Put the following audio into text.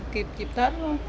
kịp tết luôn